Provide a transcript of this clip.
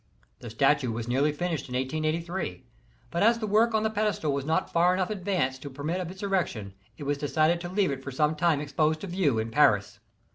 The statue was nearly finished in 1 883 ; but as the work on the pedestal was not far enough advanced to permit of its erection, it was decided to leave it for some time exposed to view in Paris.